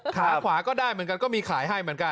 ขาขวาก็ได้เหมือนกันก็มีขายให้เหมือนกัน